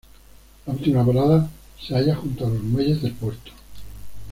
La última parada se halla junto a los muelles del puerto.